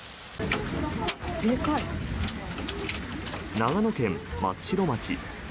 長野県松代町。